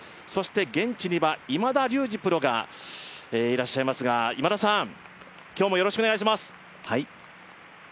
現地には今田竜二プロがいらっしゃいますが、今日もよろしくお願いします。